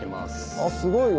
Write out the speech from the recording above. あっすごいわ。